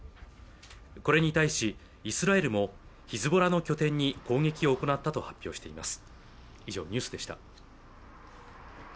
これに対しイスラエルもヒズボラの拠点に攻撃を行ったと発表しています